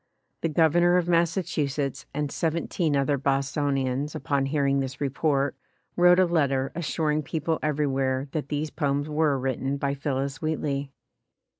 The Gov ernor of Massachusetts and seventeen other Bos tonians, upon hearing this report, wrote a letter assuring people everywhere that these poems were written by Phillis Wheatley.